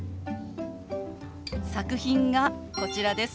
作品がこちらです。